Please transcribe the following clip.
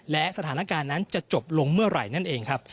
และสถานการณ์นั้นจะจบลงเมื่อไหร่นั่นเองครับ